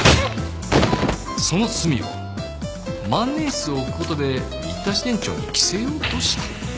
その罪を万年筆を置く事で新田支店長に着せようとした。